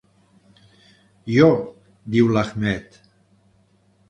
Ió —diu l'Ahmed.